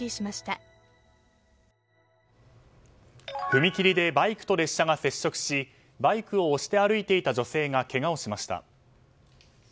踏切でバイクと列車が接触しバイクを押して歩いていた女性がけがをしました。